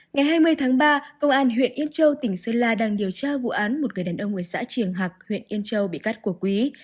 ngày hai mươi tháng ba công an huyện yên châu tỉnh sơn la đang điều tra vụ án một người đàn ông ở xã triềng hạc huyện yên châu bị cắt cổ quý